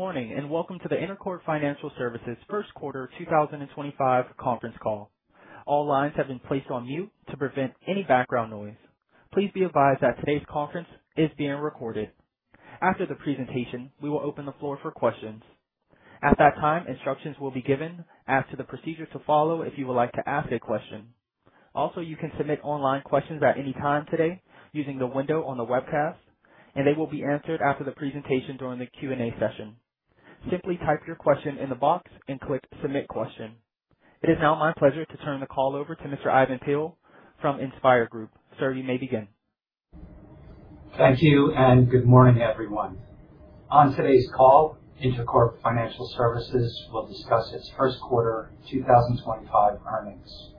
Good morning and welcome to the Intercorp Financial Services First Quarter 2025 conference call. All lines have been placed on mute to prevent any background noise. Please be advised that today's conference is being recorded. After the presentation, we will open the floor for questions. At that time, instructions will be given as to the procedure to follow if you would like to ask a question. Also, you can submit online questions at any time today using the window on the webcast, and they will be answered after the presentation during the Q&A session. Simply type your question in the box and click Submit Question. It is now my pleasure to turn the call over to Mr. Ivan Peill from InspIR Group. Sir, you may begin. Thank you and good morning, everyone. On today's call, Intercorp Financial Services will discuss its First Quarter 2025 earnings.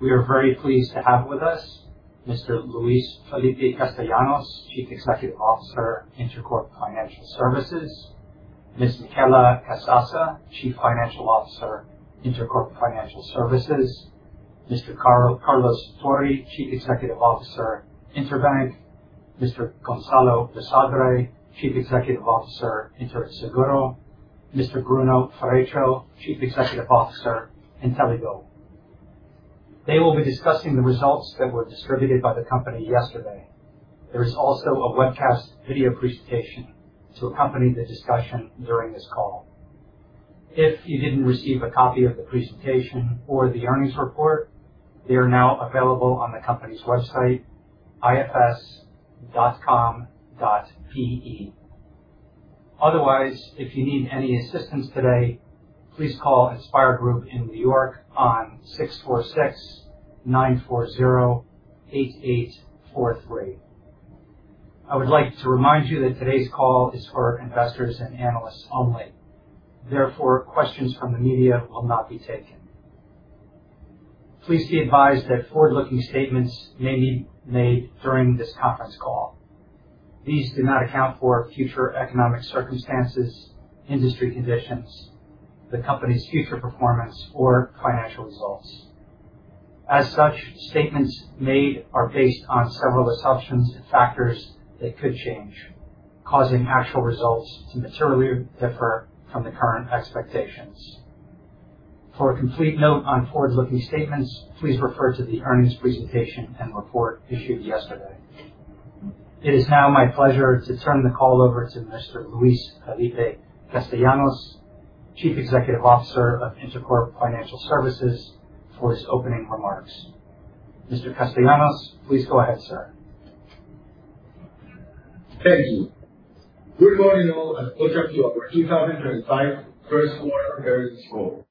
We are very pleased to have with us Mr. Luis Felipe Castellanos, Chief Executive Officer, Intercorp Financial Services; Ms. Michela Casassa, Chief Financial Officer, Intercorp Financial Services; Mr. Carlos Tori, Chief Executive Officer, Interbank; Mr. Gonzalo Basadre, Chief Executive Officer, Interseguro; Mr. Bruno Ferreccio, Chief Executive Officer, Inteligo. They will be discussing the results that were distributed by the company yesterday. There is also a webcast video presentation to accompany the discussion during this call. If you did not receive a copy of the presentation or the earnings report, they are now available on the company's website, ifs.com.pe. Otherwise, if you need any assistance today, please call InspIR Group in New York on 646-940-8843. I would like to remind you that today's call is for investors and analysts only. Therefore, questions from the media will not be taken. Please be advised that forward-looking statements may be made during this conference call. These do not account for future economic circumstances, industry conditions, the company's future performance, or financial results. As such, statements made are based on several assumptions and factors that could change, causing actual results to materially differ from the current expectations. For a complete note on forward-looking statements, please refer to the earnings presentation and report issued yesterday. It is now my pleasure to turn the call over to Mr. Luis Felipe Castellanos, Chief Executive Officer of Intercorp Financial Services, for his opening remarks. Mr. Castellanos, please go ahead, sir. Thank you. Good morning, all, and welcome to our 2025 First Quarter Earnings Call.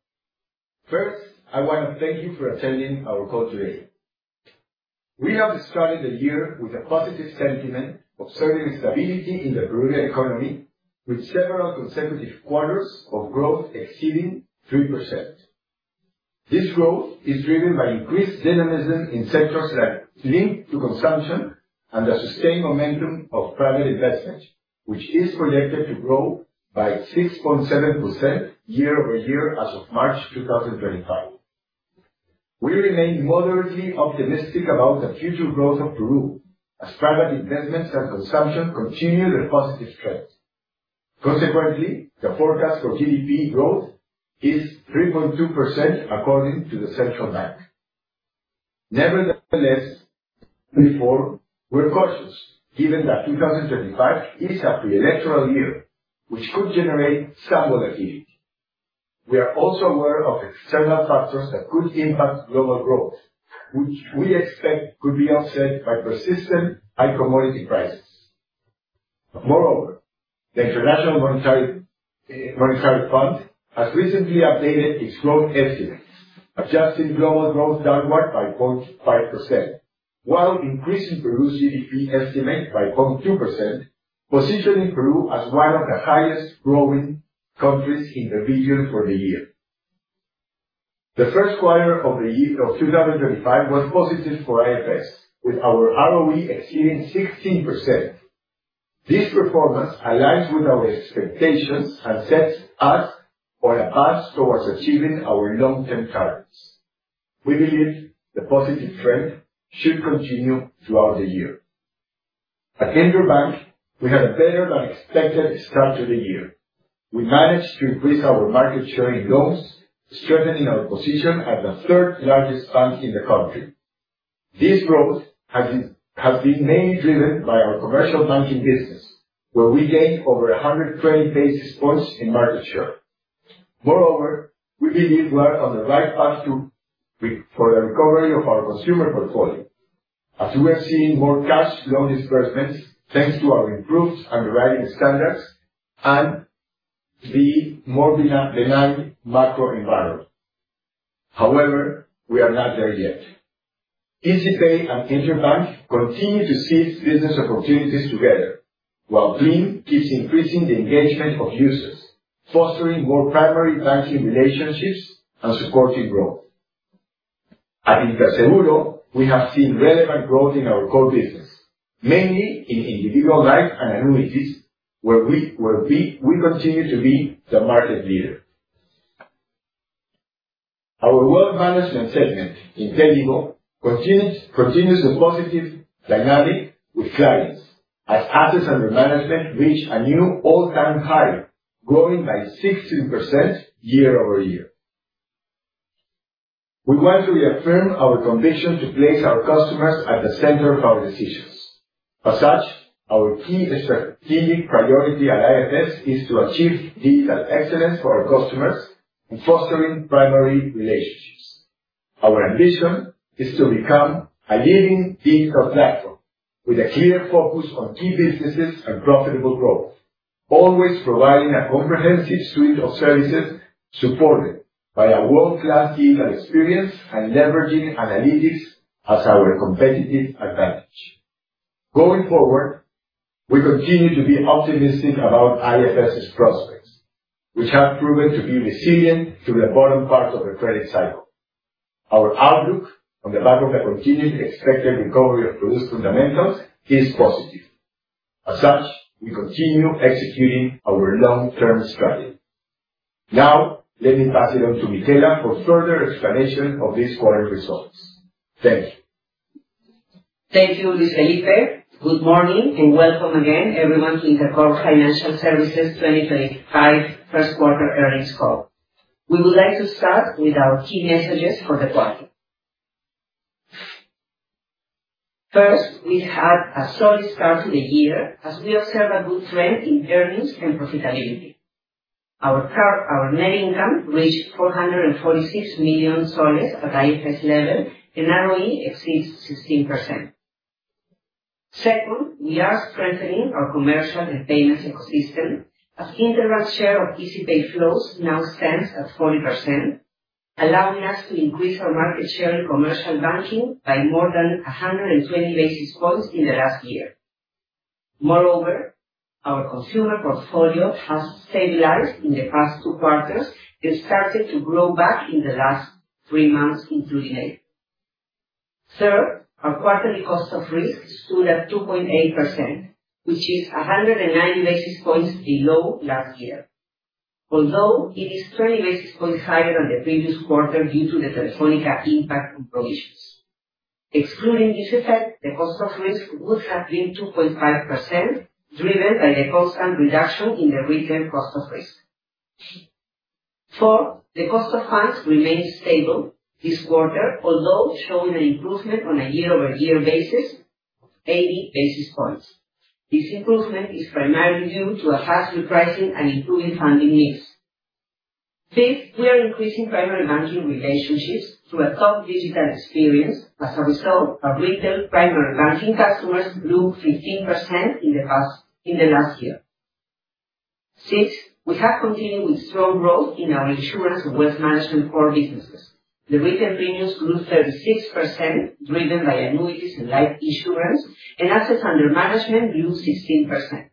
First, I want to thank you for attending our call today. We have started the year with a positive sentiment, observing stability in the broader economy, with several consecutive quarters of growth exceeding 3%. This growth is driven by increased dynamism in sectors linked to consumption and the sustained momentum of private investment, which is projected to grow by 6.7% year-over-year as of March 2025. We remain moderately optimistic about the future growth of Peru, as private investments and consumption continue their positive trend. Consequently, the forecast for GDP growth is 3.2% according to the Central Bank. Nevertheless, we're cautious given that 2025 is a pre-electoral year, which could generate some volatility. We are also aware of external factors that could impact global growth, which we expect could be offset by persistent high commodity prices. Moreover, the International Monetary Fund has recently updated its growth estimates, adjusting global growth downward by 0.5%, while increasing Peru's GDP estimate by 0.2%, positioning Peru as one of the highest-growing countries in the region for the year. The first quarter of 2025 was positive for IFS, with our ROE exceeding 16%. This performance aligns with our expectations and sets us on a path towards achieving our long-term targets. We believe the positive trend should continue throughout the year. At Interbank, we had a better-than-expected start to the year. We managed to increase our market share in loans, strengthening our position as the third-largest bank in the country. This growth has been mainly driven by our commercial banking business, where we gained over 120 basis points in market share. Moreover, we believe we are on the right path for the recovery of our consumer portfolio, as we are seeing more cash loan disbursements thanks to our improved underwriting standards and the more benign macro environment. However, we are not there yet. EasyPay and Interbank continue to seize business opportunities together, while Gleam keeps increasing the engagement of users, fostering more primary banking relationships and supporting growth. At Interseguro, we have seen relevant growth in our core business, mainly in individual life and annuities, where we continue to be the market leader. Our wealth management segment, Inteligo, continues the positive dynamic with clients, as assets under management reach a new all-time high, growing by 16% year-over-year. We want to reaffirm our conviction to place our customers at the center of our decisions. As such, our key strategic priority at IFS is to achieve digital excellence for our customers and fostering primary relationships. Our ambition is to become a leading digital platform with a clear focus on key businesses and profitable growth, always providing a comprehensive suite of services supported by a world-class digital experience and leveraging analytics as our competitive advantage. Going forward, we continue to be optimistic about IFS's prospects, which have proven to be resilient through the bottom part of the credit cycle. Our outlook on the back of the continued expected recovery of Peru's fundamentals is positive. As such, we continue executing our long-term strategy. Now, let me pass it on to Michela for further explanation of this quarter's results. Thank you. Thank you, Luis Felipe. Good morning and welcome again, everyone, to Intercorp Financial Services 2025 First Quarter Earnings Call. We would like to start with our key messages for the quarter. First, we had a solid start to the year as we observed a good trend in earnings and profitability. Our net income reached PEN 446 million at IFS level and ROE exceeds 16%. Second, we are strengthening our commercial and payments ecosystem as Interbank's share of EasyPay flows now stands at 40%, allowing us to increase our market share in commercial banking by more than 120 basis points in the last year. Moreover, our consumer portfolio has stabilized in the past two quarters and started to grow back in the last three months, including April. Third, our quarterly cost of risk stood at 2.8%, which is 190 basis points below last year, although it is 20 basis points higher than the previous quarter due to the Telefónica impact on provisions. Excluding this effect, the cost of risk would have been 2.5%, driven by the constant reduction in the retail cost of risk. Fourth, the cost of funds remained stable this quarter, although showing an improvement on a year-over-year basis of 80 basis points. This improvement is primarily due to a fast repricing and improving funding mix. Fifth, we are increasing primary banking relationships through a top digital experience as a result of retail primary banking customers grew 15% in the last year. Sixth, we have continued with strong growth in our insurance and wealth management core businesses. The retail premiums grew 36%, driven by annuities and life insurance, and assets under management grew 16%.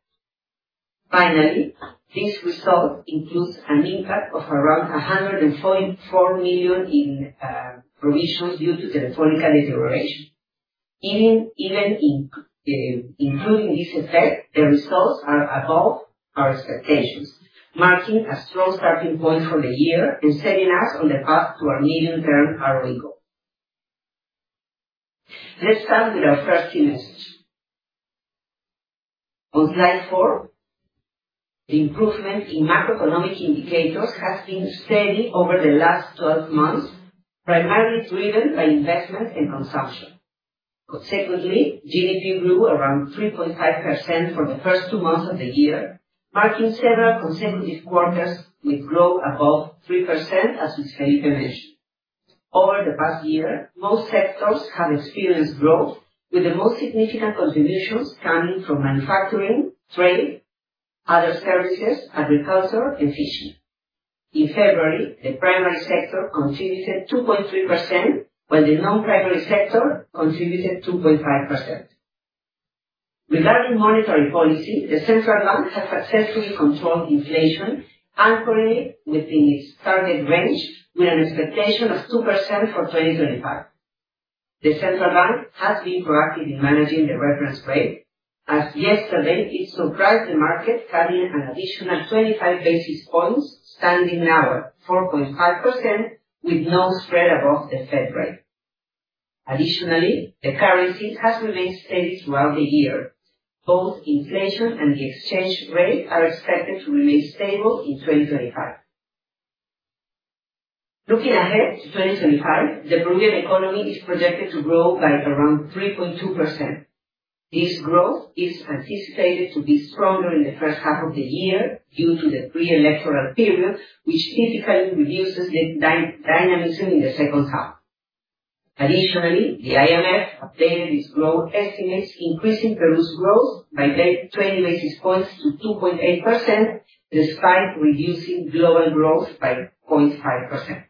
Finally, this result includes an impact of around PEN 144 million in provisions due to Telefónica deterioration. Even including this effect, the results are above our expectations, marking a strong starting point for the year and setting us on the path to our medium-term ROE goal. Let's start with our first key message. On slide four, the improvement in macroeconomic indicators has been steady over the last 12 months, primarily driven by investments and consumption. Consequently, GDP grew around 3.5% for the first two months of the year, marking several consecutive quarters with growth above 3%, as Luis Felipe mentioned. Over the past year, most sectors have experienced growth, with the most significant contributions coming from manufacturing, trade, other services, agriculture, and fishing. In February, the primary sector contributed 2.3%, while the non-primary sector contributed 2.5%. Regarding monetary policy, the Central Bank has successfully controlled inflation, anchoring it within its target range with an expectation of 2% for 2025. The Central Bank has been proactive in managing the reference rate, as yesterday it surprised the market, cutting an additional 25 basis points, standing now at 4.5%, with no spread above the Fed rate. Additionally, the currency has remained steady throughout the year. Both inflation and the exchange rate are expected to remain stable in 2025. Looking ahead to 2025, the Peruvian economy is projected to grow by around 3.2%. This growth is anticipated to be stronger in the first half of the year due to the pre-electoral period, which typically reduces the dynamism in the second half. Additionally, the IMF updated its growth estimates, increasing Peru's growth by 20 basis points to 2.8%, despite reducing global growth by 0.5%.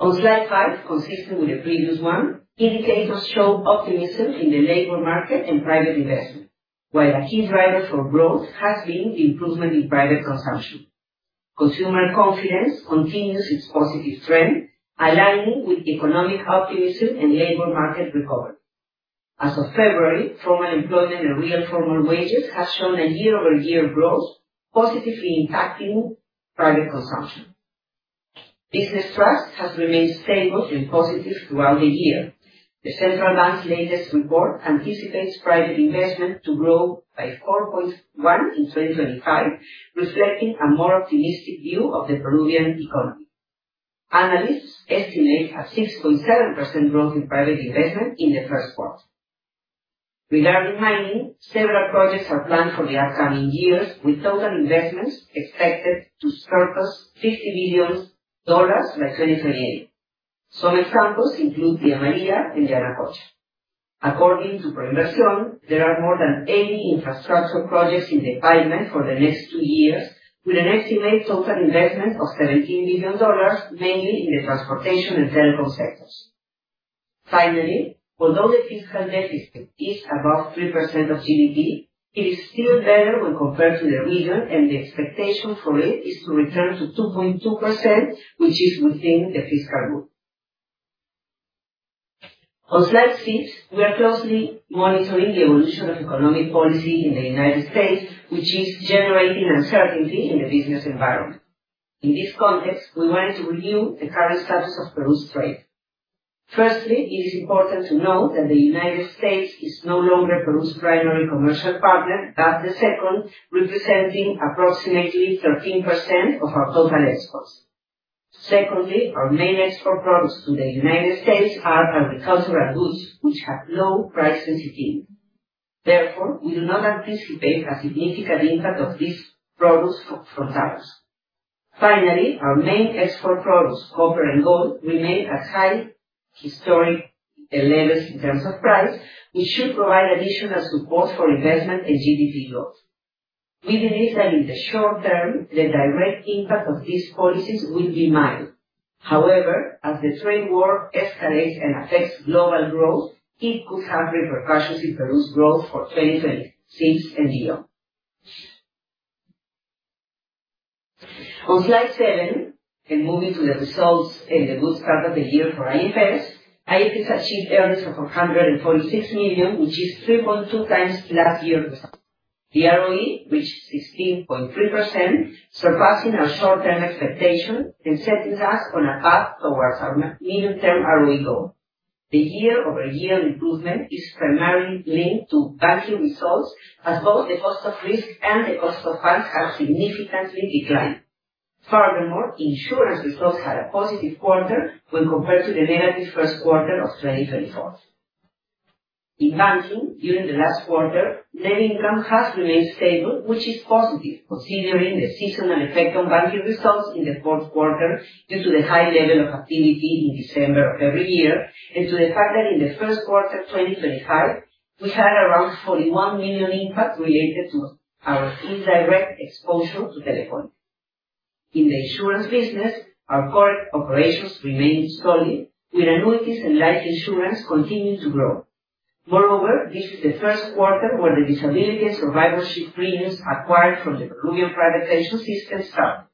On slide five, consistent with the previous one, indicators show optimism in the labor market and private investment, while a key driver for growth has been the improvement in private consumption. Consumer confidence continues its positive trend, aligning with economic optimism and labor market recovery. As of February, formal employment and real formal wages have shown a year-over-year growth, positively impacting private consumption. Business trust has remained stable and positive throughout the year. The Central Bank latest report anticipates private investment to grow by 4.1% in 2025, reflecting a more optimistic view of the Peruvian economy. Analysts estimate a 6.7% growth in private investment in the first quarter. Regarding mining, several projects are planned for the upcoming years, with total investments expected to surpass $50 billion by 2028. Some examples include Villa María and Yanacocha. According to Proinversión, there are more than 80 infrastructure projects in development for the next two years, with an estimated total investment of $17 billion, mainly in the transportation and telecom sectors. Finally, although the fiscal deficit is above 3% of GDP, it is still better when compared to the region, and the expectation for it is to return to 2.2%, which is within the fiscal goal. On slide six, we are closely monitoring the evolution of economic policy in the U.S., which is generating uncertainty in the business environment. In this context, we wanted to review the current status of Peru's trade. Firstly, it is important to note that the U.S. is no longer Peru's primary commercial partner, but the second, representing approximately 13% of our total exports. Secondly, our main export products to the U.S. are agricultural goods, which have low price sensitivity. Therefore, we do not anticipate a significant impact of these products from tariffs. Finally, our main export products, copper and gold, remain at high historic levels in terms of price, which should provide additional support for investment and GDP growth. We believe that in the short term, the direct impact of these policies will be mild. However, as the trade war escalates and affects global growth, it could have repercussions in Peru's growth for 2026 and beyond. On slide seven, and moving to the results and the good start of the year for IFS, IFS achieved earnings of PEN 446 million, which is 3.2 times last year's result. The ROE reached 16.3%, surpassing our short-term expectation and setting us on a path towards our medium-term ROE goal. The year-over-year improvement is primarily linked to banking results, as both the cost of risk and the cost of funds have significantly declined. Furthermore, insurance results had a positive quarter when compared to the negative first quarter of 2024. In banking, during the last quarter, net income has remained stable, which is positive, considering the seasonal effect on banking results in the fourth quarter due to the high level of activity in December of every year and to the fact that in the first quarter of 2025, we had around PEN 41 million impact related to our indirect exposure to Telefónica. In the insurance business, our core operations remained solid, with annuities and life insurance continuing to grow. Moreover, this is the first quarter where the disability and survivorship premiums acquired from the Peruvian private pension system started.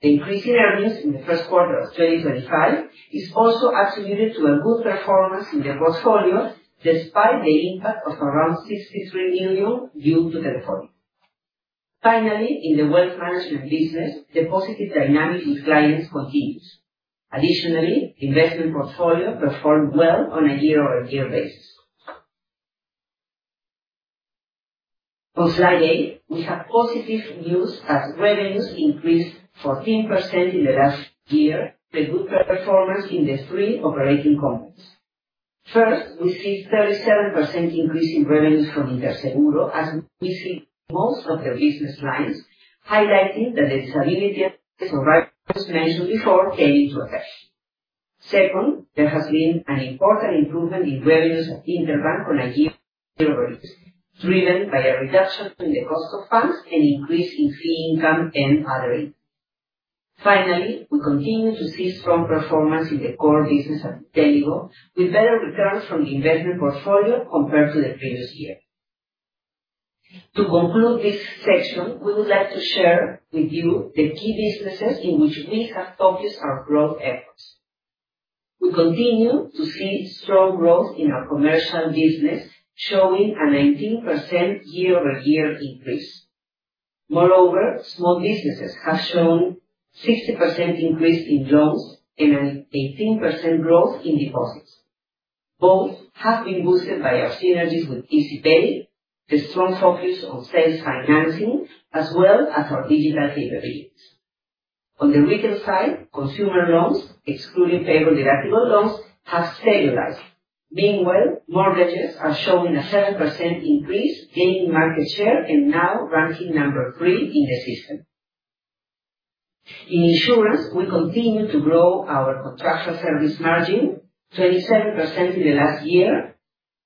The increase in earnings in the first quarter of 2025 is also attributed to a good performance in the portfolio, despite the impact of around PEN 63 million due to Telefónica. Finally, in the wealth management business, the positive dynamic with clients continues. Additionally, the investment portfolio performed well on a year-over-year basis. On slide eight, we have positive news as revenues increased 14% in the last year. A good performance in the three operating companies. First, we see a 37% increase in revenues from Interseguro, as we see most of the business lines, highlighting that the disability and survivorship mentioned before came into effect. Second, there has been an important improvement in revenues at Interbank on a year-over-year, driven by a reduction in the cost of funds and increase in fee income and other income. Finally, we continue to see strong performance in the core business at Inteligo, with better returns from the investment portfolio compared to the previous year. To conclude this section, we would like to share with you the key businesses in which we have focused our growth efforts. We continue to see strong growth in our commercial business, showing a 19% year-over-year increase. Moreover, small businesses have shown a 60% increase in loans and an 18% growth in deposits. Both have been boosted by our synergies with EasyPay, the strong focus on sales financing, as well as our digital capabilities. On the retail side, consumer loans, excluding payroll deductible loans, have stabilized. Meanwhile, mortgages are showing a 7% increase, gaining market share and now ranking number three in the system. In insurance, we continue to grow our contractual service margin, 27% in the last year,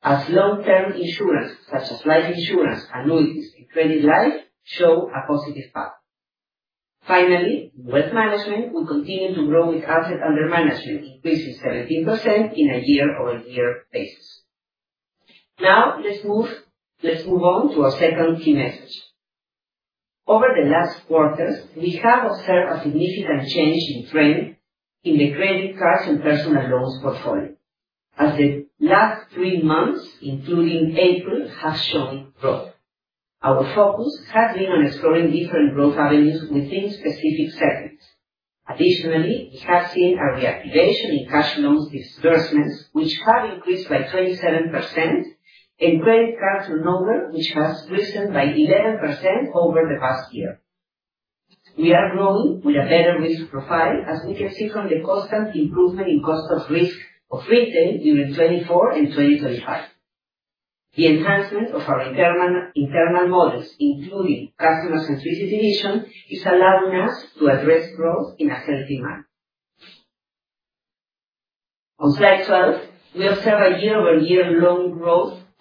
as long-term insurance such as life insurance, annuities, and credit life show a positive path. Finally, in wealth management, we continue to grow with assets under management, increasing 17% on a year-over-year basis. Now, let's move on to our second key message. Over the last quarters, we have observed a significant change in trend in the credit cards and personal loans portfolio, as the last three months, including April, have shown growth. Our focus has been on exploring different growth avenues within specific segments. Additionally, we have seen a reactivation in cash loans disbursements, which have increased by 27%, and credit cards and loans, which has risen by 11% over the past year. We are growing with a better risk profile, as we can see from the constant improvement in cost of risk of retail during 2024 and 2025. The enhancement of our internal models, including customer-centricity vision, is allowing us to address growth in a healthy manner. On slide 12, we observe a year-over-year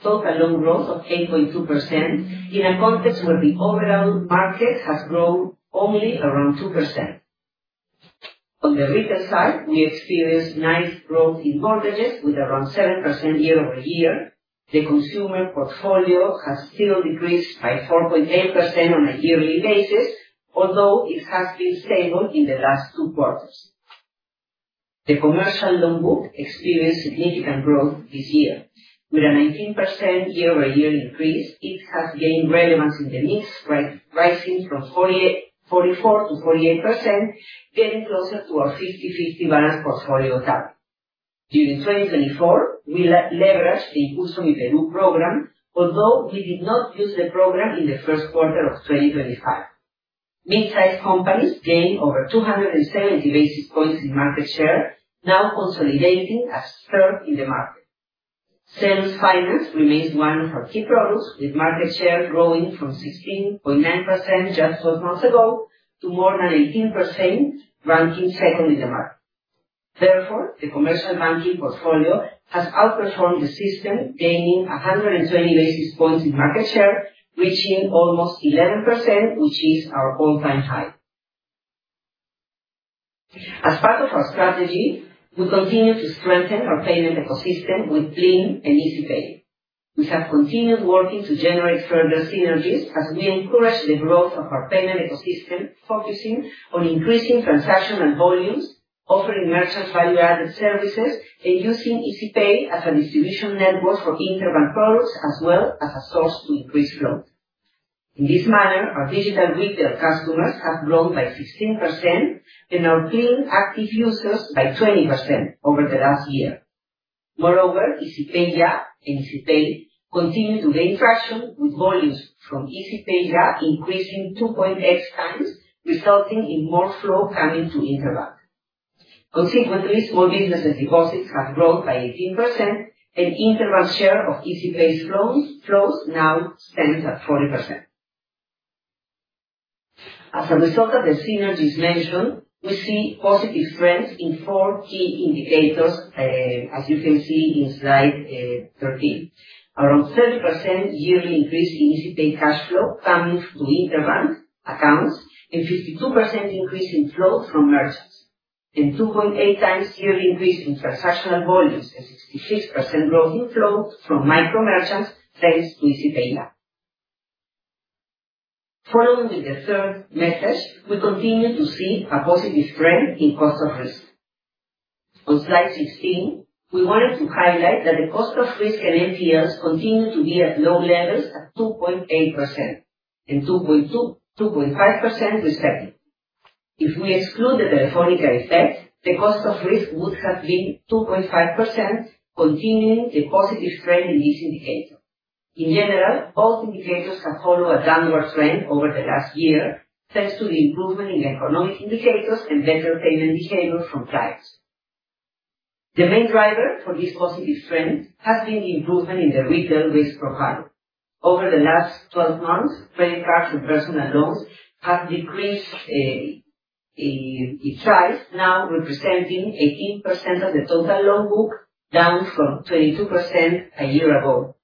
total loan growth of 8.2% in a context where the overall market has grown only around 2%. On the retail side, we experience nice growth in mortgages with around 7% year-over-year. The consumer portfolio has still decreased by 4.8% on a yearly basis, although it has been stable in the last two quarters. The commercial loan book experienced significant growth this year. With a 19% year-over-year increase, it has gained relevance in the mix, rising from 44%-48%, getting closer to our 50-50 balance portfolio target. During 2024, we leveraged the Impulso Mi Perú program, although we did not use the program in the first quarter of 2025. Mid-sized companies gained over 270 basis points in market share, now consolidating as third in the market. Sales finance remains one of our key products, with market share growing from 16.9% just 12 months ago to more than 18%, ranking second in the market. Therefore, the commercial banking portfolio has outperformed the system, gaining 120 basis points in market share, reaching almost 11%, which is our all-time high. As part of our strategy, we continue to strengthen our payment ecosystem with Plin and EasyPay. We have continued working to generate further synergies as we encourage the growth of our payment ecosystem, focusing on increasing transactional volumes, offering merchant value-added services, and using EasyPay as a distribution network for Interbank products, as well as a source to increase growth. In this manner, our digital retail customers have grown by 16% and our Plin active users by 20% over the last year. Moreover, EasyPay and EasyPay continue to gain traction, with volumes from EasyPay increasing 2.x times, resulting in more flow coming to Interbank. Consequently, small businesses' deposits have grown by 18%, and Interbank's share of EasyPay's flows now stands at 40%. As a result of the synergies mentioned, we see positive trends in four key indicators, as you can see in slide 13. Around 30% yearly increase in EasyPay cash flow coming to Interbank accounts and 52% increase in flows from merchants, and 2.8x yearly increase in transactional volumes and 66% growth in flows from micro merchants thanks to EasyPay Lab. Following with the third message, we continue to see a positive trend in cost of risk. On slide 16, we wanted to highlight that the cost of risk and NPLs continue to be at low levels at 2.8% and 2.5% respectively. If we exclude the Telefónica effect, the cost of risk would have been 2.5%, continuing the positive trend in this indicator. In general, both indicators have followed a downward trend over the last year thanks to the improvement in economic indicators and better payment behavior from clients. The main driver for this positive trend has been the improvement in the retail risk profile. Over the last 12 months, credit cards and personal loans have decreased in size, now representing 18% of the total loan book, down from 22% a year ago.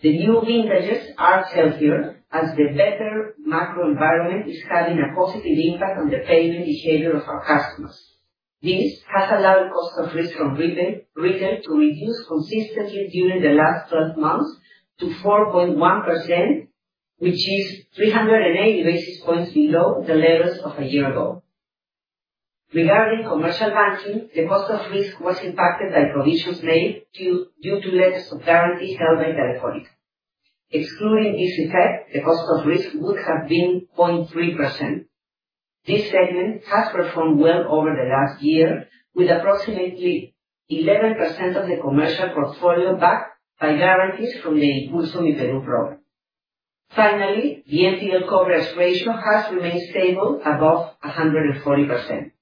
The new vintages are healthier as the better macro environment is having a positive impact on the payment behavior of our customers. This has allowed cost of risk from retail to reduce consistently during the last 12 months to 4.1%, which is 380 basis points below the levels of a year ago. Regarding commercial banking, the cost of risk was impacted by provisions made due to letters of guarantee held by Telefónica. Excluding this effect, the cost of risk would have been 0.3%. This segment has performed well over the last year, with approximately 11% of the commercial portfolio backed by guarantees from the Impulso Mi Perú program. Finally, the NPL coverage ratio has remained stable above 140%.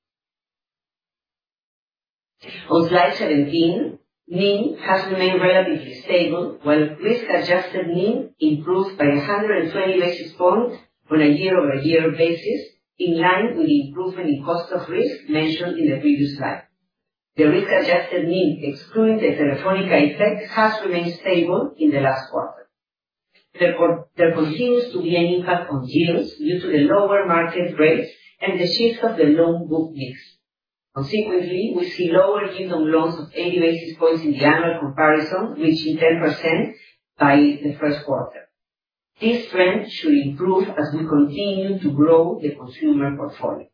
On slide 17, NIM has remained relatively stable, while risk-adjusted NIM improved by 120 basis points on a year-over-year basis, in line with the improvement in cost of risk mentioned in the previous slide. The risk-adjusted NIM, excluding the Telefónica effect, has remained stable in the last quarter. There continues to be an impact on yields due to the lower market rates and the shift of the loan book mix. Consequently, we see lower yield on loans of 80 basis points in the annual comparison, reaching 10% by the first quarter. This trend should improve as we continue to grow the consumer portfolio.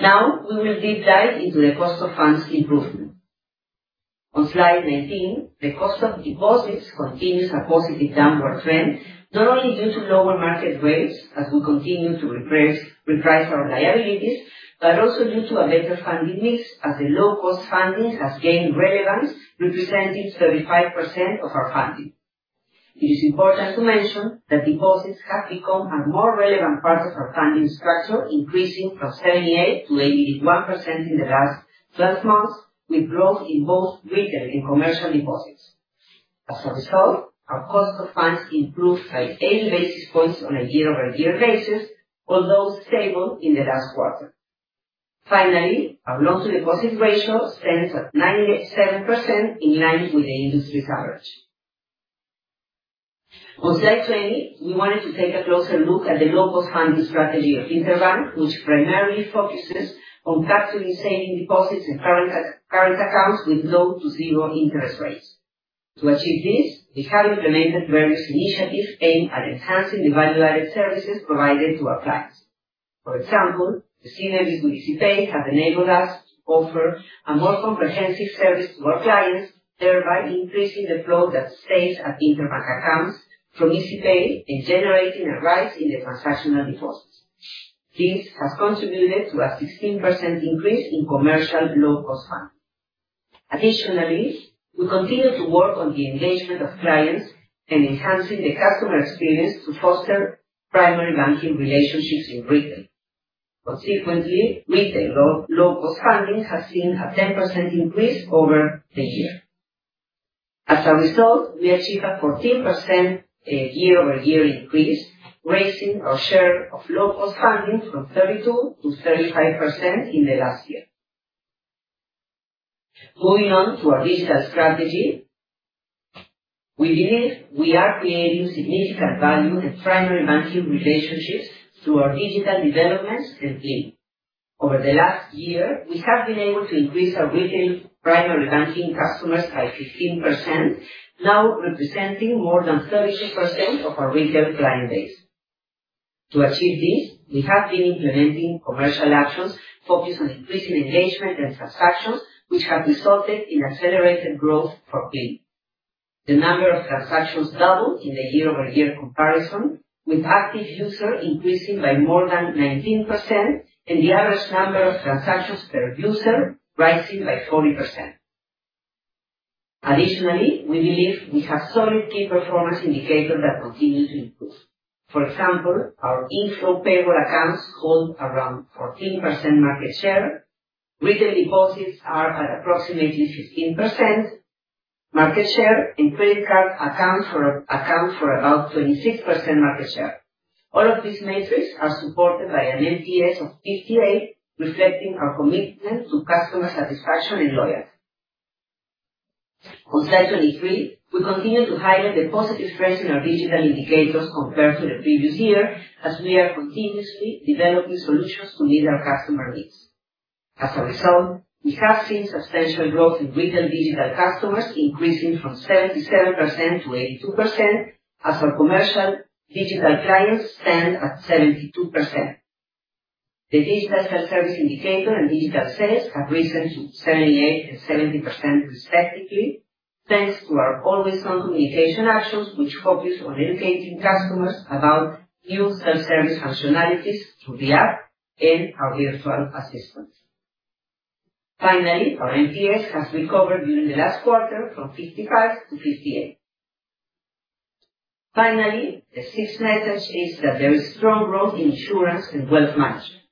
Now, we will deep dive into the cost of funds improvement. On slide 19, the cost of deposits continues a positive downward trend, not only due to lower market rates as we continue to reprice our liabilities, but also due to a better funding mix, as the low-cost funding has gained relevance, representing 35% of our funding. It is important to mention that deposits have become a more relevant part of our funding structure, increasing from 78%-81% in the last 12 months, with growth in both retail and commercial deposits. As a result, our cost of funds improved by 80 basis points on a year-over-year basis, although stable in the last quarter. Finally, our loan-to-deposit ratio stands at 97%, in line with the industry's average. On slide 20, we wanted to take a closer look at the low-cost funding strategy of Interbank, which primarily focuses on capturing saving deposits and current accounts with low to zero interest rates. To achieve this, we have implemented various initiatives aimed at enhancing the value-added services provided to our clients. For example, the synergies with EasyPay have enabled us to offer a more comprehensive service to our clients, thereby increasing the flow that stays at Interbank accounts from EasyPay and generating a rise in the transactional deposits. This has contributed to a 16% increase in commercial low-cost funding. Additionally, we continue to work on the engagement of clients and enhancing the customer experience to foster primary banking relationships in retail. Consequently, retail low-cost funding has seen a 10% increase over the year. As a result, we achieved a 14% year-over-year increase, raising our share of low-cost funding from 32%-35% in the last year. Moving on to our digital strategy, we believe we are creating significant value and primary banking relationships through our digital developments and Plin. Over the last year, we have been able to increase our retail primary banking customers by 15%, now representing more than 32% of our retail client base. To achieve this, we have been implementing commercial actions focused on increasing engagement and transactions, which have resulted in accelerated growth for Plin. The number of transactions doubled in the year-over-year comparison, with active users increasing by more than 19% and the average number of transactions per user rising by 40%. Additionally, we believe we have solid key performance indicators that continue to improve. For example, our inflow payroll accounts hold around 14% market share. Retail deposits are at approximately 15% market share, and credit card accounts account for about 26% market share. All of these metrics are supported by an MPS of 58%, reflecting our commitment to customer satisfaction and loyalty. On slide 23, we continue to highlight the positive trends in our digital indicators compared to the previous year, as we are continuously developing solutions to meet our customer needs. As a result, we have seen substantial growth in retail digital customers, increasing from 77%-82%, as our commercial digital clients stand at 72%. The digital self-service indicator and digital sales have risen to 78% and 70%, respectively, thanks to our always-on communication actions, which focus on educating customers about new self-service functionalities through the app and our virtual assistants. Finally, our MPS has recovered during the last quarter from 55%-58%. Finally, the sixth message is that there is strong growth in insurance and wealth management.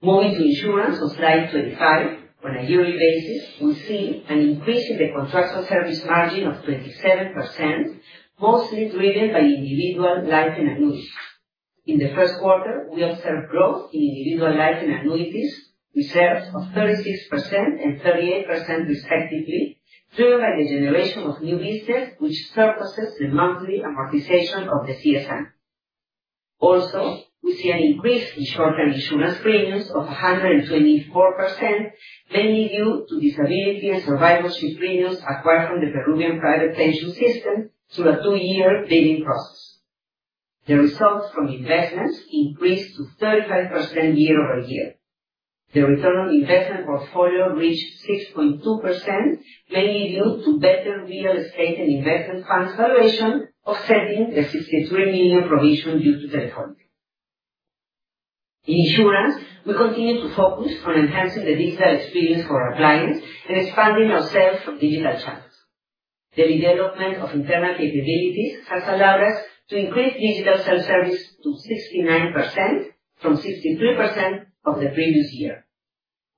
Moving to insurance on slide 25, on a yearly basis, we see an increase in the contractual service margin of 27%, mostly driven by individual life and annuities. In the first quarter, we observed growth in individual life and annuities, reserves of 36% and 38%, respectively, driven by the generation of new business, which surpasses the monthly amortization of the contractual service margin. Also, we see an increase in short-term insurance premiums of 124%, mainly due to disability and survivorship premiums acquired from the Peruvian private pension system through a two-year bidding process. The result from investments increased to 35% year-over-year. The return on investment portfolio reached 6.2%, mainly due to better real estate and investment funds valuation, offsetting the PEN 63 million provision due to Telefónica. In insurance, we continue to focus on enhancing the digital experience for our clients and expanding our sales from digital channels. The development of internal capabilities has allowed us to increase digital self-service to 69% from 63% of the previous year.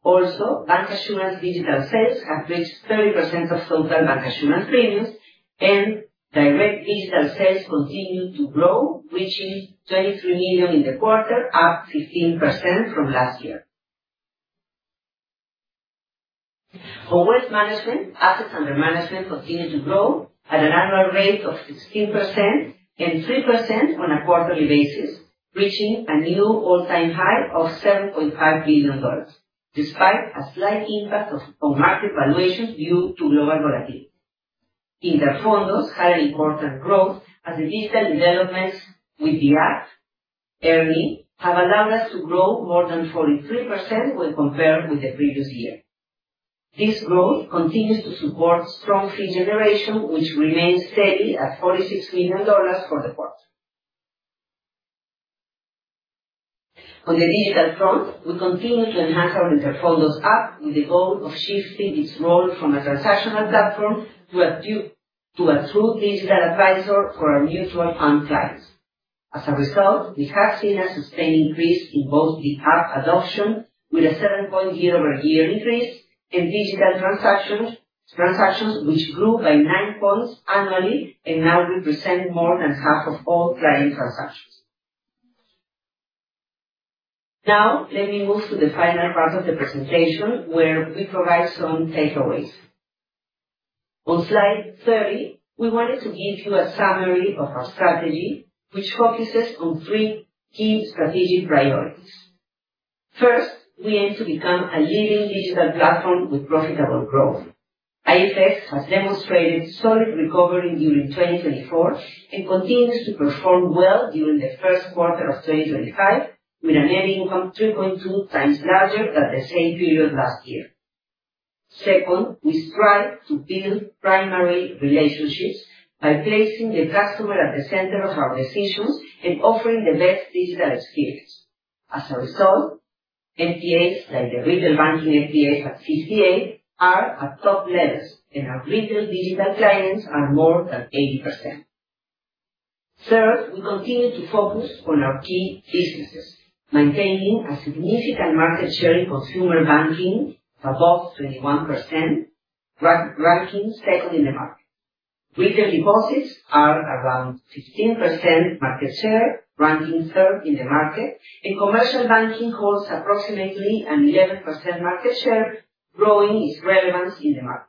Also, bancassurance digital sales have reached 30% of total bancassurance premiums, and direct digital sales continue to grow, reaching PEN 23 million in the quarter, up 15% from last year. Our wealth management, assets, and management continue to grow at an annual rate of 16% and 3% on a quarterly basis, reaching a new all-time high of $7.5 billion, despite a slight impact on market valuation due to global volatility. Interfondos had an important growth as the digital developments with the app, ERNI, have allowed us to grow more than 43% when compared with the previous year. This growth continues to support strong fee generation, which remains steady at $46 million for the quarter. On the digital front, we continue to enhance our Interfondos app with the goal of shifting its role from a transactional platform to a true digital advisor for our mutual fund clients. As a result, we have seen a sustained increase in both the app adoption, with a 7.0% year-over-year increase, and digital transactions, which grew by nine points annually and now represent more than half of all client transactions. Now, let me move to the final part of the presentation, where we provide some takeaways. On slide 30, we wanted to give you a summary of our strategy, which focuses on three key strategic priorities. First, we aim to become a leading digital platform with profitable growth. IFS has demonstrated solid recovery during 2024 and continues to perform well during the first quarter of 2025, with a net income 3.2x larger than the same period last year. Second, we strive to build primary relationships by placing the customer at the center of our decisions and offering the best digital experience. As a result, MPAs like the retail banking MPAs at CCA are at top levels, and our retail digital clients are more than 80%. Third, we continue to focus on our key businesses, maintaining a significant market share in consumer banking above 21%, ranking second in the market. Retail deposits are around 15% market share, ranking third in the market, and commercial banking holds approximately an 11% market share, growing its relevance in the market.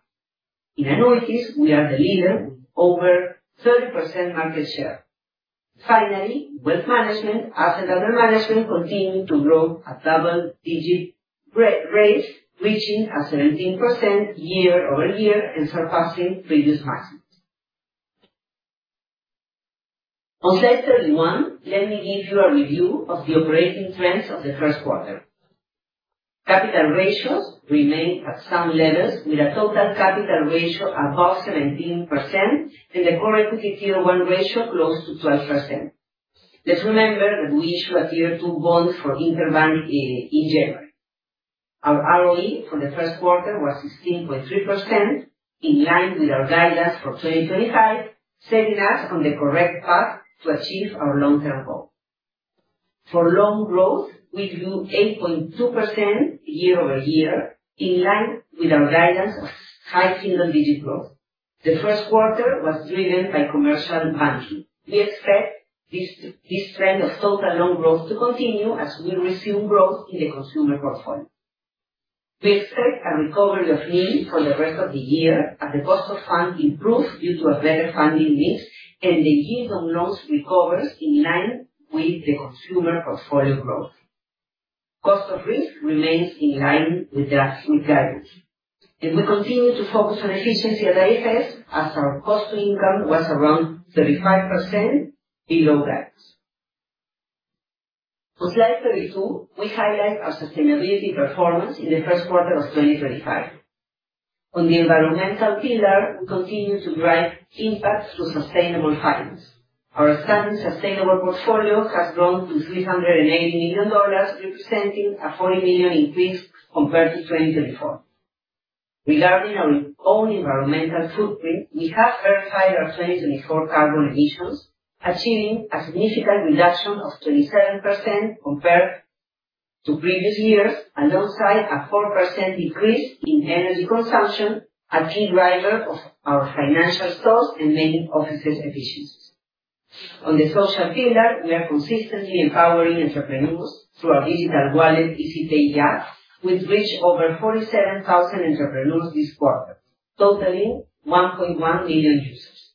In annuities, we are the leader with over 30% market share. Finally, wealth management, asset under management, continue to grow at double-digit rates, reaching a 17% year-over-year and surpassing previous maximums. On slide 31, let me give you a review of the operating trends of the first quarter. Capital ratios remain at some levels, with a total capital ratio above 17% and the core equity Tier 1 ratio close to 12%. Let's remember that we issued a Tier 2 bond for Interbank in January. Our ROE for the first quarter was 16.3%, in line with our guidance for 2025, setting us on the correct path to achieve our long-term goal. For loan growth, we grew 8.2% year-over-year, in line with our guidance of high single-digit growth. The first quarter was driven by commercial banking. We expect this trend of total loan growth to continue as we resume growth in the consumer portfolio. We expect a recovery of NIM for the rest of the year as the cost of funds improves due to a better funding mix, and the yield on loans recovers in line with the consumer portfolio growth. Cost of risk remains in line with guidance. We continue to focus on efficiency at IFS, as our cost to income was around 35%, below guidance. On slide 32, we highlight our sustainability performance in the first quarter of 2025. On the environmental pillar, we continue to drive impact through sustainable finance. Our standing sustainable portfolio has grown to $380 million, representing a $40 million increase compared to 2024. Regarding our own environmental footprint, we have verified our 2024 carbon emissions, achieving a significant reduction of 27% compared to previous years, alongside a 4% decrease in energy consumption, a key driver of our financial stocks and many offices' efficiencies. On the social pillar, we are consistently empowering entrepreneurs through our digital wallet, EasyPay app, which reached over 47,000 entrepreneurs this quarter, totaling 1.1 million users.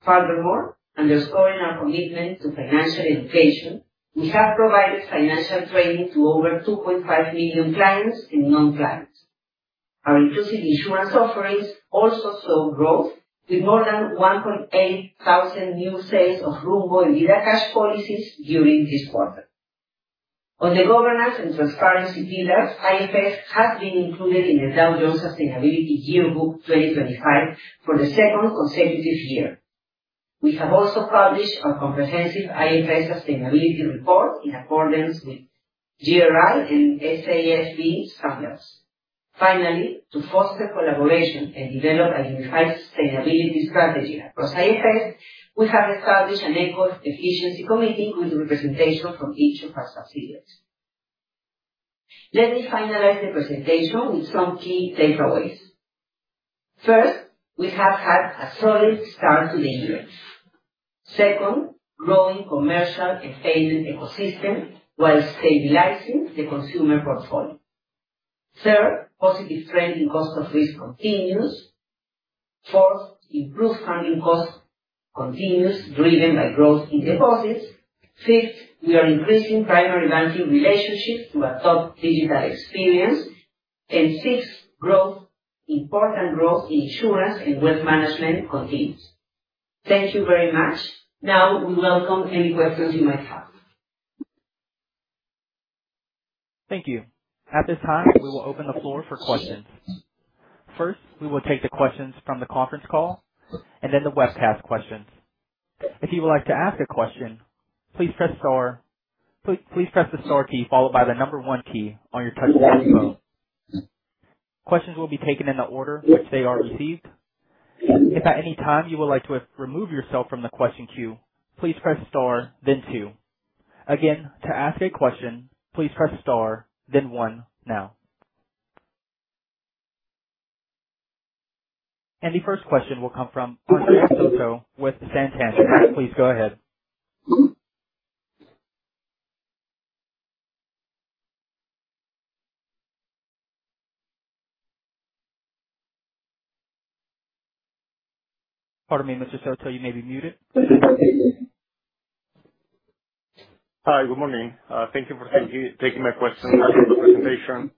Furthermore, underscoring our commitment to financial education, we have provided financial training to over 2.5 million clients and non-clients. Our inclusive insurance offerings also saw growth, with more than 1,800 new sales of Rumbo and VidaCash policies during this quarter. On the governance and transparency pillars, IFS has been included in the Dow Jones Sustainability Yearbook 2025 for the second consecutive year. We have also published our comprehensive IFS sustainability report in accordance with GRI and SAFB standards. Finally, to foster collaboration and develop a unified sustainability strategy across IFS, we have established an ECO efficiency committee with representation from each of our subsidiaries. Let me finalize the presentation with some key takeaways. First, we have had a solid start to the year. Second, growing commercial and payment ecosystem while stabilizing the consumer portfolio. Third, positive trend in cost of risk continues. Fourth, improved funding cost continues driven by growth in deposits. Fifth, we are increasing primary banking relationships through a top digital experience. Sixth, important growth in insurance and wealth management continues. Thank you very much. Now, we welcome any questions you might have. Thank you. At this time, we will open the floor for questions. First, we will take the questions from the conference call and then the webcast questions. If you would like to ask a question, please press the star key followed by the number one key on your touchscreen phone. Questions will be taken in the order which they are received. If at any time you would like to remove yourself from the question queue, please press star, then two. Again, to ask a question, please press star, then one now. The first question will come from Andrés Soto with Santander. Please go ahead. Pardon me, Mr. Soto, you may be unmuted. Hi, good morning. Thank you for taking my question for the presentation.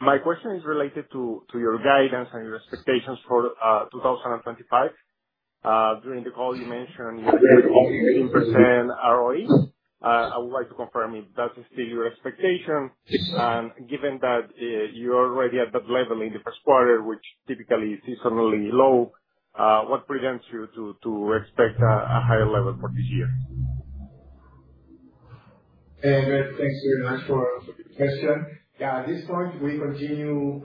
My question is related to your guidance and your expectations for 2025. During the call, you mentioned you are doing 18% ROE. I would like to confirm if that is still your expectation. Given that you are already at that level in the first quarter, which typically is seasonally low, what prevents you to expect a higher level for this year?. Thanks very much for the question. Yeah, at this point, we continue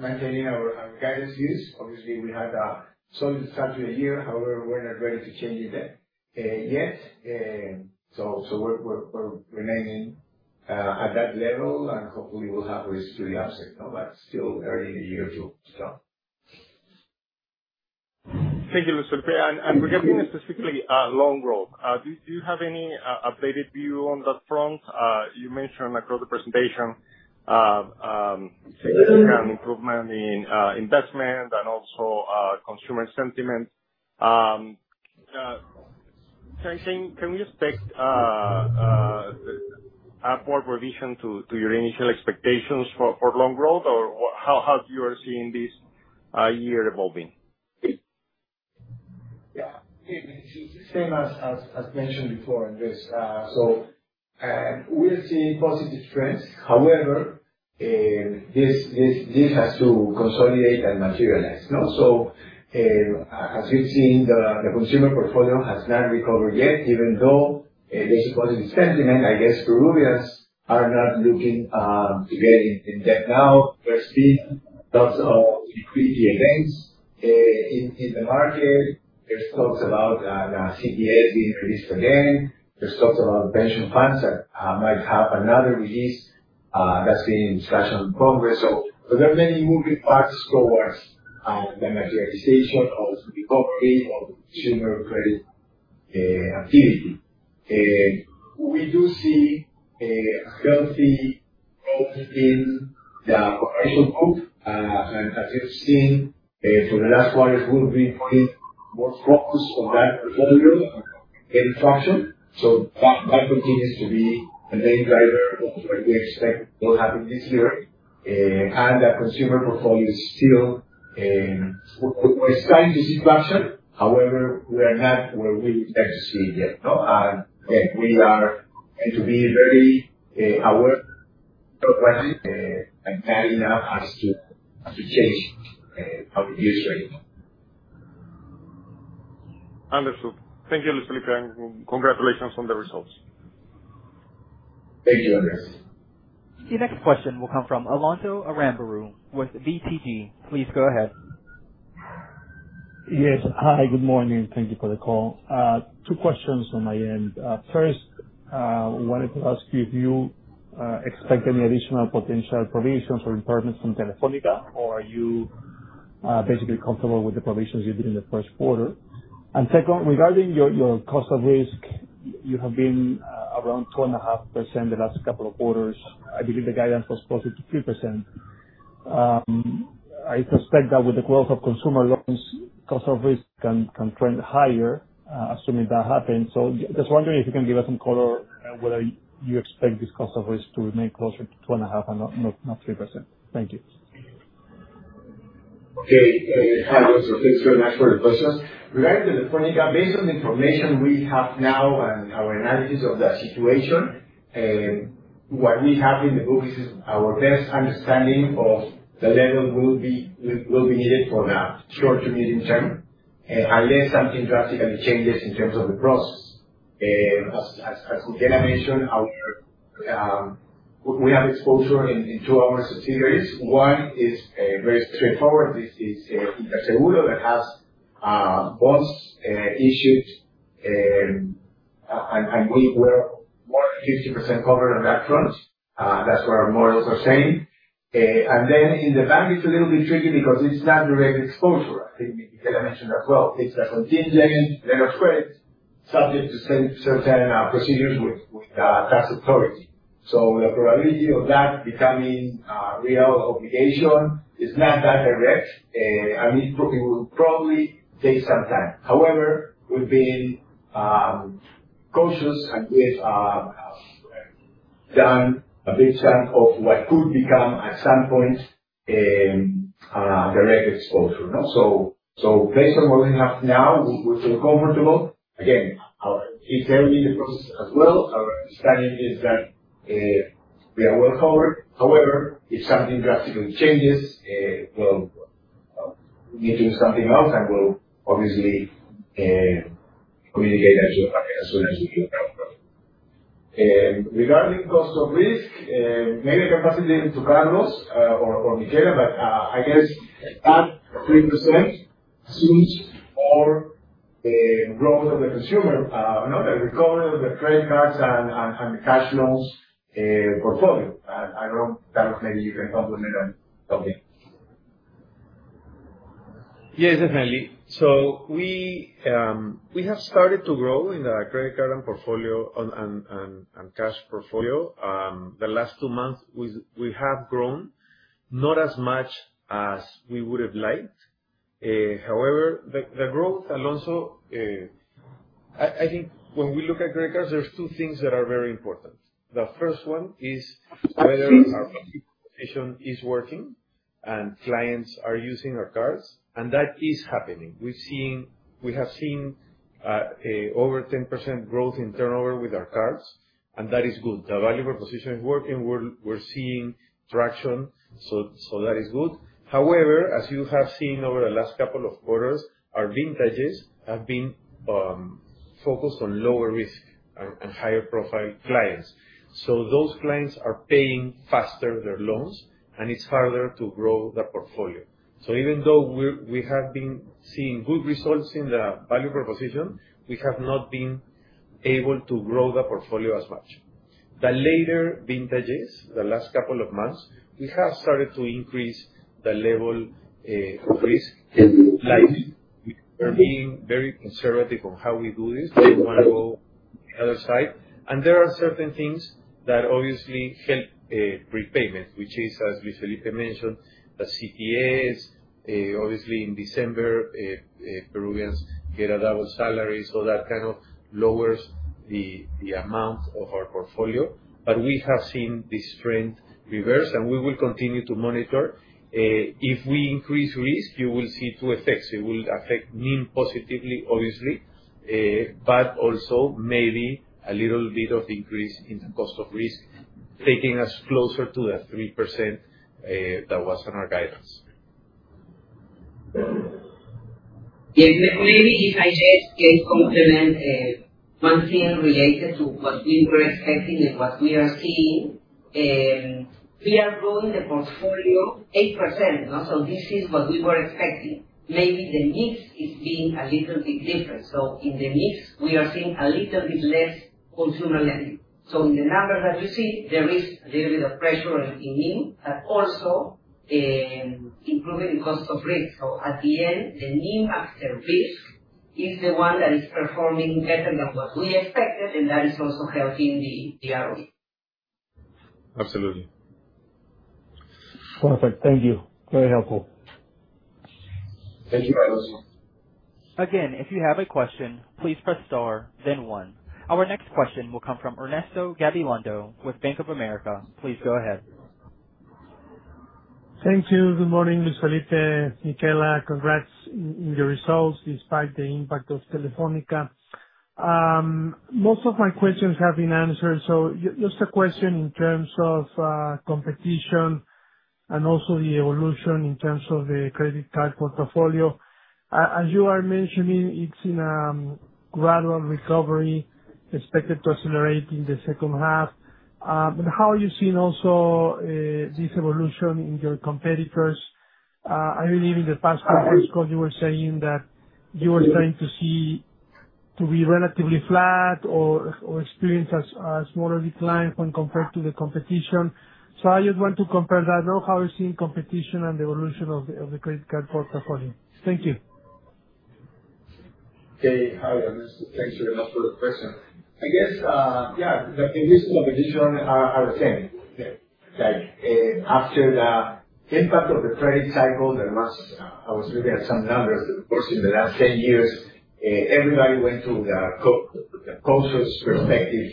maintaining our guidance use. Obviously, we had a solid start to the year. However, we are not ready to change it yet. We're remaining at that level, and hopefully, we'll have risk to the upside. Still, early in the year to come. Thank you, Mr. Felipe. Regarding specifically loan growth, do you have any updated view on that front?. You mentioned across the presentation significant improvement in investment and also consumer sentiment. Can we expect a poor provision to your initial expectations for loan growth, or how are you seeing this year evolving?. Yeah, it's the same as mentioned before, Andrés. We are seeing positive trends. However, this has to consolidate and materialize. As we've seen, the consumer portfolio has not recovered yet, even though there's a positive sentiment. I guess Peruvians are not looking to get in debt now. There's been lots of liquidity events in the market. There's talks about CPS being released again. is talk about the pension funds that might have another release that has been in discussion in Congress. There are many moving parts towards the materialization of recovery of consumer credit activity. We do see healthy growth in the commercial book. As you have seen, for the last quarter, we have been putting more focus on that portfolio and function. That continues to be the main driver of what we expect will happen this year. That consumer portfolio is still, we are starting to see traction. However, we are not where we would like to see it yet. Again, we are going to be very aware of what and carrying up as to change our views right now. Understood. Thank you, Mr. Felipe, and congratulations on the results. Thank you, Andrés. The next question will come from Alonso Aramburu with BTG. Please go ahead. Yes. Hi, good morning. Thank you for the call. Two questions on my end. First, I wanted to ask you if you expect any additional potential provisions or improvements from Telefónica, or are you basically comfortable with the provisions you did in the first quarter?. Second, regarding your cost of risk, you have been around 2.5% the last couple of quarters. I believe the guidance was closer to 3%. I suspect that with the growth of consumer loans, cost of risk can trend higher, assuming that happens. Just wondering if you can give us some color on whether you expect this cost of risk to remain closer to 2.5% and not 3%. Thank you. Okay. Hi, Alonso. Thanks for the question. Regarding Telefónica, based on the information we have now and our analysis of the situation, what we have in the book is our best understanding of the level will be needed for the short to medium term unless something drastically changes in terms of the process. Michela mentioned, we have exposure in two of our subsidiaries. One is very straightforward. This is Interseguro that has bonds issued, and we were more than 50% covered on that front. That is what our models are saying. In the bank, it is a little bit tricky because it is not direct exposure. I think Michela mentioned as well. It is a contingent level of credit subject to certain procedures with tax authority. The probability of that becoming a real obligation is not that direct, and it will probably take some time. However, we've been cautious and we've done a big chunk of what could become at some point direct exposure. So based on what we have now, we feel comfortable. Again, it's early in the process as well. Our understanding is that we are well covered. However, if something drastically changes, we'll need to do something else, and we'll obviously communicate that to the bank as soon as we do that. Regarding cost of risk, maybe I can pass it to Carlos or Michela, but I guess that 3% assumes more growth of the consumer and recovery of the credit cards and the cash loans portfolio. I don't know, Carlos, maybe you can complement on something. Yes, definitely. So we have started to grow in the credit card and portfolio and cash portfolio. The last two months, we have grown not as much as we would have liked. However, the growth, Alonso, I think when we look at credit cards, there are two things that are very important. The first one is whether our provision is working and clients are using our cards, and that is happening. We have seen over 10% growth in turnover with our cards, and that is good. The value proposition is working. We're seeing traction, so that is good. However, as you have seen over the last couple of quarters, our vintages have been focused on lower risk and higher profile clients. Those clients are paying faster their loans, and it's harder to grow the portfolio. Even though we have been seeing good results in the value proposition, we have not been able to grow the portfolio as much. The later vintages, the last couple of months, we have started to increase the level of risk. We're being very conservative on how we do this. We didn't want to go to the other side. There are certain things that obviously help prepayment, which is, as Luis Felipe mentioned, the CPS. Obviously, in December, Peruvians get a double salary, so that kind of lowers the amount of our portfolio. We have seen this trend reverse, and we will continue to monitor. If we increase risk, you will see two effects. It will affect mean positively, obviously, but also maybe a little bit of increase in the cost of risk, taking us closer to that 3% that was on our guidance. Yes, maybe if I just can complement one thing related to what we were expecting and what we are seeing. We are growing the portfolio 8%. This is what we were expecting. Maybe the mix is being a little bit different. In the mix, we are seeing a little bit less consumer lending. In the numbers that you see, there is a little bit of pressure in mean, but also improving the cost of risk. At the end, the mean after risk is the one that is performing better than what we expected, and that is also helping the ROE. Absolutely. Perfect. Thank you. Very helpful. Thank you, Carlos. Again, if you have a question, please press star, then one. Our next question will come from Ernesto Gabilondo with Bank of America. Please go ahead. Thank you. Good morning, Luis Felipe. Michela, congrats on your results despite the impact of Telefónica. Most of my questions have been answered. Just a question in terms of competition and also the evolution in terms of the credit card portfolio. As you are mentioning, it is in a gradual recovery expected to accelerate in the second half. How are you seeing also this evolution in your competitors?. I believe in the past conference call, you were saying that you were starting to see to be relatively flat or experience a smaller decline when compared to the competition. I just want to compare that. How are you seeing competition and the evolution of the credit card portfolio?. Thank you. Okay. Hi, Ernesto. Thanks very much for the question. I guess, yes, the previous competition are the same. After the impact of the credit cycle, I was looking at some numbers, of course, in the last 10 years, everybody went to the closest perspective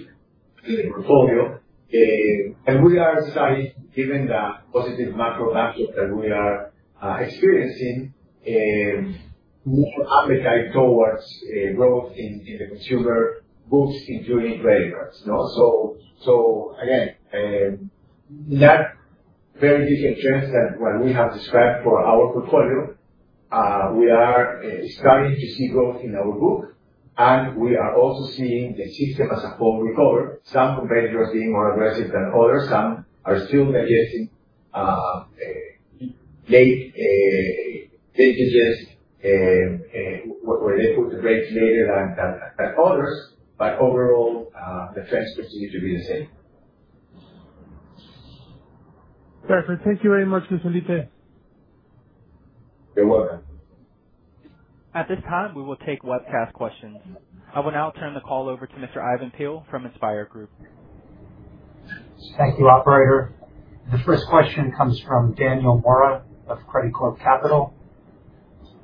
to the portfolio. We are starting, given the positive macro backdrop that we are experiencing, more appetite towards growth in the consumer books, including credit cards. Again, not very different trends than what we have described for our portfolio. We are starting to see growth in our book, and we are also seeing the system as a whole recover. Some competitors are being more aggressive than others. Some are still digesting late vintages where they put the brakes later than others. Overall, the trends continue to be the same. Perfect. Thank you very much, Luis Felipe. You're welcome. At this time, we will take webcast questions. I will now turn the call over to Mr. Ivan Peill from InspIR Group. Thank you, Operator. The first question comes from Daniel Mora of Credicorp Capital.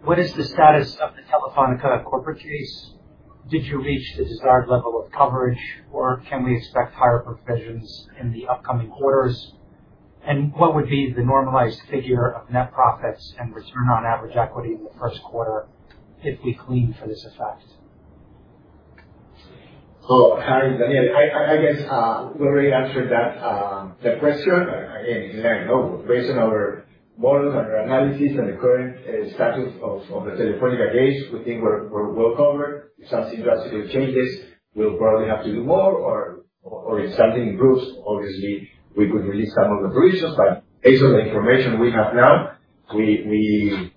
What is the status of the Telefónica corporate case?. Did you reach the desired level of coverage, or can we expect higher provisions in the upcoming quarters?. What would be the normalized figure of net profits and return on average equity in the first quarter if we clean for this effect?. Oh. Hi, Daniel. I guess we already answered that question. Again, as you know, based on our models, on our analysis, and the current status of the Telefónica case, we think we're well covered. If something drastically changes, we'll probably have to do more, or if something improves, obviously, we could release some of the provisions. Based on the information we have now, we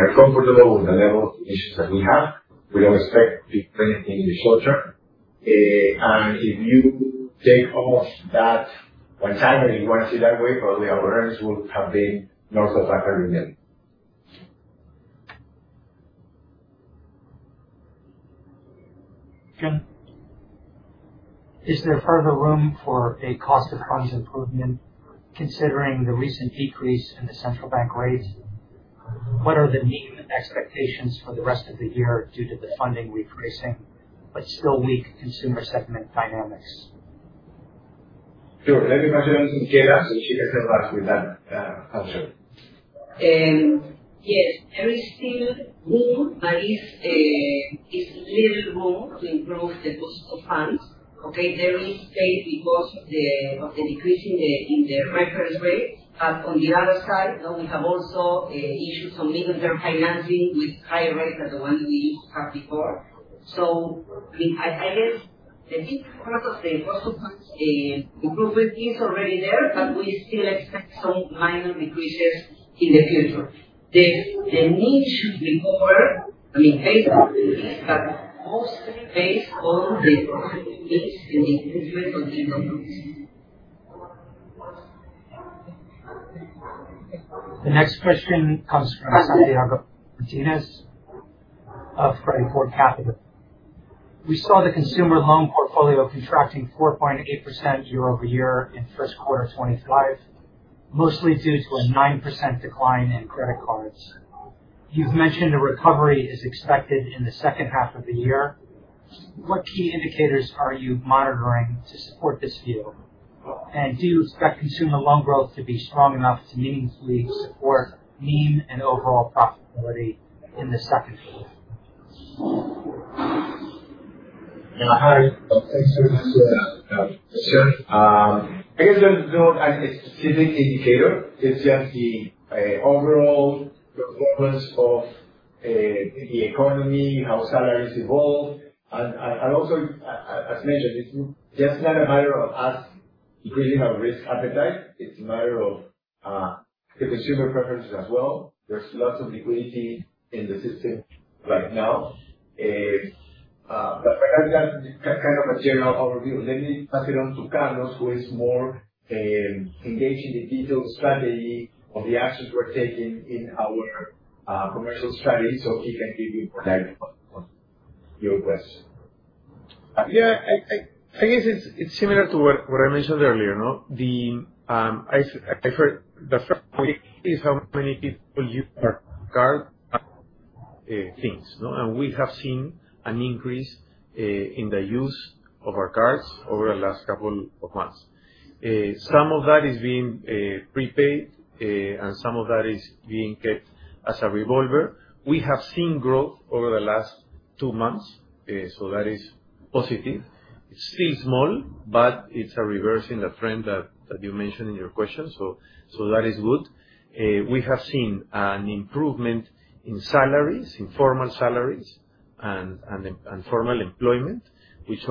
are comfortable with the level of provisions that we have. We do not expect to do anything in the short term. If you take off that one time, and if you want to see that way, probably our earnings will have been north of that very level. Okay. Is there further room for a cost of funds improvement considering the recent decrease in the central bank rate?. What are the mean expectations for the rest of the year due to the funding repricing, but still weak consumer segment dynamics?. Sure. Maybe you can answer Michela's, and she can help us with that answer. Yes. There is still room, but it's little room to improve the cost of funds. Okay?. There is space because of the decrease in the reference rate. On the other side, we have also issues of mid-term financing with higher rates than the one we used to have before. I guess the improvement in cost of funds is already there, but we still expect some minor decreases in the future. The need should be covered, I mean, based on the need, but mostly based on the needs and the improvement of the income loans. The next question comes from Santiago Martinez of Credicorp Capital. We saw the consumer loan portfolio contracting 4.8% year-over-year in first quarter 2025, mostly due to a 9% decline in credit cards. You've mentioned a recovery is expected in the second half of the year. What key indicators are you monitoring to support this view?. And do you expect consumer loan growth to be strong enough to meaningfully support mean and overall profitability in the second quarter?. Yeah. Hi. Thanks very much for the question. I guess there's no specific indicator. It's just the overall performance of the economy, how salaries evolve. And also, as mentioned, it's just not a matter of us increasing our risk appetite. It's a matter of the consumer preferences as well. There's lots of liquidity in the system right now. That's kind of a general overview. Let me pass it on to Carlos, who is more engaged in the detailed strategy of the actions we're taking in our commercial strategy, so he can give you more light on your question. Yeah. I guess it's similar to what I mentioned earlier. The first point is how many people use our card things. We have seen an increase in the use of our cards over the last couple of months. Some of that is being prepaid, and some of that is being kept as a revolver. We have seen growth over the last two months, so that is positive. It's still small, but it's a reverse in the trend that you mentioned in your question, so that is good. We have seen an improvement in salaries, in formal salaries, and formal employment, which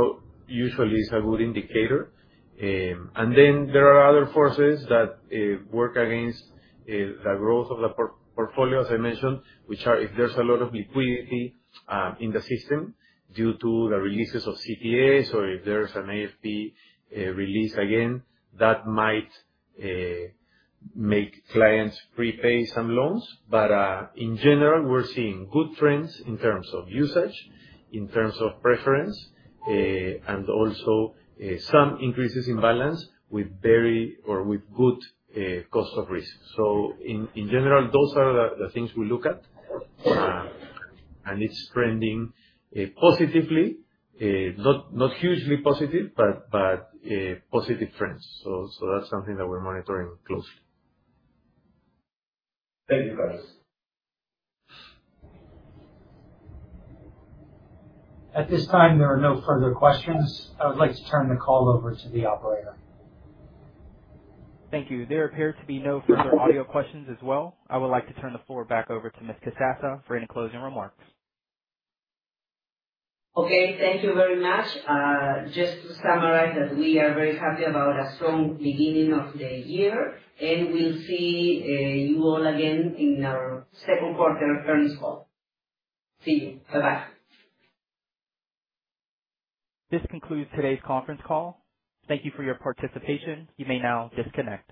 usually is a good indicator. There are other forces that work against the growth of the portfolio, as I mentioned, which are if there is a lot of liquidity in the system due to the releases of CPS, or if there is an AFP release again, that might make clients prepay some loans. In general, we are seeing good trends in terms of usage, in terms of preference, and also some increases in balance with good cost of risk. In general, those are the things we look at, and it is trending positively, not hugely positive, but positive trends. That is something that we are monitoring closely. Thank you, Carlos. At this time, there are no further questions. I would like to turn the call over to the operator. Thank you. There appear to be no further audio questions as well. I would like to turn the floor back over to Ms. Casassa for any closing remarks. Okay. Thank you very much. Just to summarize that we are very happy about a strong beginning of the year, and we'll see you all again in our second quarter earnings call. See you. Bye-bye. This concludes today's conference call. Thank you for your participation. You may now disconnect.